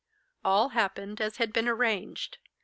All happened as had been arranged.